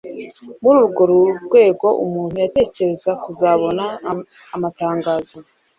muri urwo rwego umuntu yatekereza kuzabona amatangazo